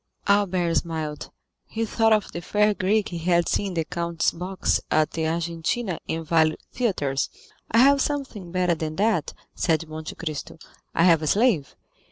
Albert smiled. He thought of the fair Greek he had seen in the count's box at the Argentina and Valle theatres. "I have something better than that," said Monte Cristo; "I have a slave.